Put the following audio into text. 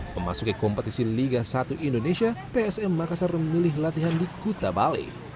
memasuki kompetisi liga satu indonesia psm makassar memilih latihan di kuta bali